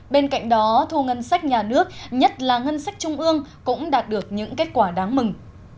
bên cạnh đó thu ngân sách nhà nước nhất là ngân sách trung ương cũng đạt được những kết quả đáng mừng